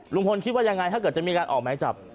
ลุงพลคิดว่ายังไงถ้าเกิดจะมีการออกไม้จับ